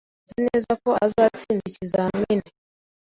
Nzi neza ko azatsinda ikizamini.